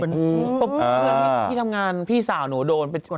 เพื่อให้ที่ทำงานพี่สาวหนูโดนไปกดไลค์